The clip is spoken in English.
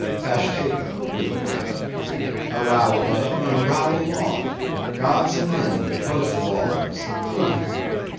TASHTEGO (with a whiff). A row a'low, and a row aloft—Gods and men—both brawlers! Humph!